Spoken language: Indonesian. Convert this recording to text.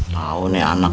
tahu nih anak